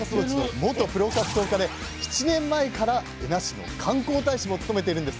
元プロ格闘家で７年前から恵那市の観光大使も務めてるんです。